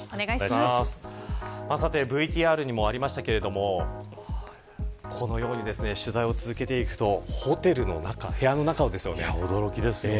ＶＴＲにもありましたがこのように取材を続けていくとホテルの部屋の中ですよね。